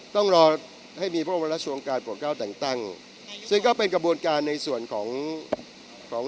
ต้องรอให้มีพวกมันรับชวงการปวดเก้าแต่งตั้ง